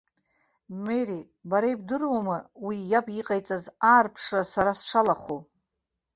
Мери, бара ибдыруама уи иаб иҟаиҵаз аарԥшра сара сшалахәу?